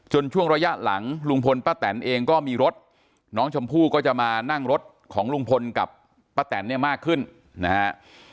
ช่วงระยะหลังลุงพลป้าแตนเองก็มีรถน้องชมพู่ก็จะมานั่งรถของลุงพลกับป้าแตนเนี่ยมากขึ้นนะฮะ